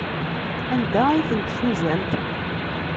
Anda ay tent-tuzamt?